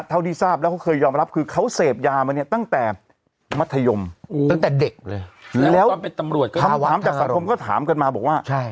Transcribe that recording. เท่าที่ทราบแล้วเคยยอมรับคือเขาเสพยามาเนี่ยตั้งแต่มัธยมตั้งแต่เด็กเลยแล้วก็เป็นตำรวจก็ถามกันมาบอกว่า